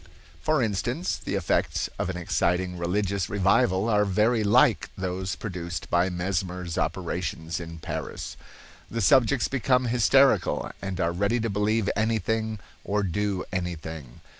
For instance, the effects of an exciting religious revival are very like those produced by Mesmer's operations in Paris. The subjects become hysterical, and are ready to believe anything or do anything.